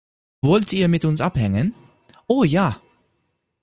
Wollt ihr mit uns abhängen? Oh, ja!